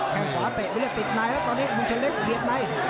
แข่งขวาเตะไปเลยติดไหนแล้วตอนนี้บุคลุงเฉลิกเดียดไหน